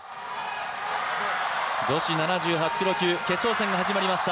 女子７８キロ級、決勝戦が始まりました。